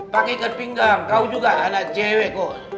pakai ikan pinggang kau juga anak cewek kok